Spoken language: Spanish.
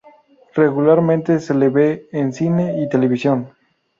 Regularmente se le ve en cine y televisión.